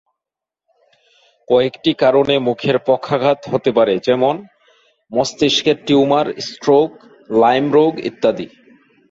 কয়েকটি কারণে মুখের পক্ষাঘাত হতে পারে, যেমনঃ- মস্তিষ্কের টিউমার, স্ট্রোক, লাইম রোগ ইত্যাদি।